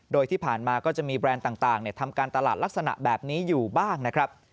โดยที่ผ่านมาก็จะมีแบรนด์ต่างทำการตลาดลักษณะแบบนี้อยู่บ้างนะครับ